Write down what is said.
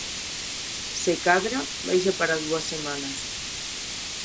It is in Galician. Se cadra, baixa para dúas semanas.